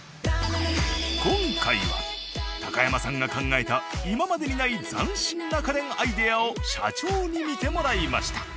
今回は高山さんが考えた今までにない斬新な家電アイデアを社長に見てもらいました。